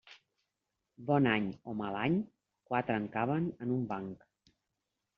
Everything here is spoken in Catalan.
Bon any o mal any, quatre en caben en un banc.